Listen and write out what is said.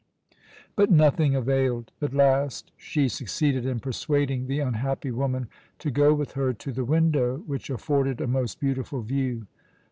But nothing availed. At last she succeeded in persuading the unhappy woman to go with her to the window, which afforded a most beautiful view.